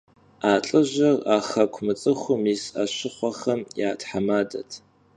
A lh'ıjır a xeku mıts'ıxum yis 'eşıxhuexem ya themadet.